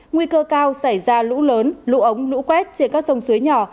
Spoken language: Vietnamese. nguy cơ cao xảy ra lũ lớn lũ ống lũ quét trên các sông suối nhỏ